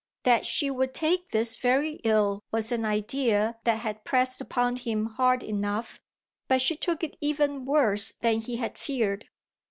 That she would take this very ill was an idea that had pressed upon him hard enough, but she took it even worse than he had feared.